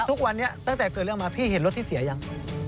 ทุกวันนี้ตั้งแต่เกิดเรื่องมาพี่เห็นรถที่เสียยัง